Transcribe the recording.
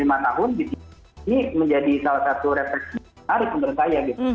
ini menjadi salah satu refleksi dari pemerintah ya